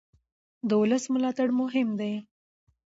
د ولس ملاتړ مهم دی